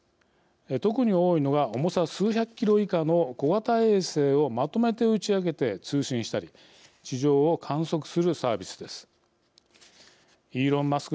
特に多いのが重さ数百キロ以下の小型衛星をまとめて打ち上げて通信したり地上を観測するサービスです。イーロン・マスク